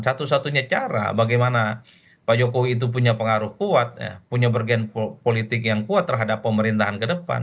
satu satunya cara bagaimana pak jokowi itu punya pengaruh kuat punya bergen politik yang kuat terhadap pemerintahan ke depan